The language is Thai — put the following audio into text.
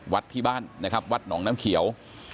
วัดที่บ้านนะครับวัดหนองน้ำเขียว